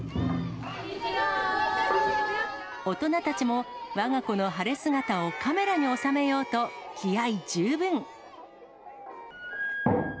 大人たちも、わが子の晴れ姿をカメラに収めようと、気合い十分。